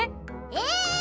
え